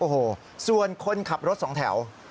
โอ้โหส่วนคนขับรถสองแถว